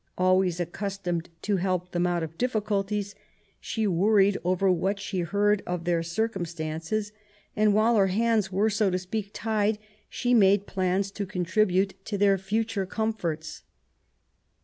Always accustomed to help . them out of difficulties, she worried over what she heard of their circumstances, and while her hands were, so to speak, tied, she made plans to contribute to their future com forts.